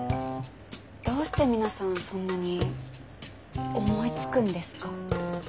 どうして皆さんそんなに思いつくんですか？